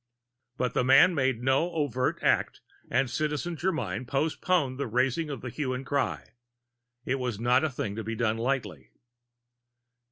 But the man made no overt act and Citizen Germyn postponed the raising of the hue and cry. It was not a thing to be done lightly.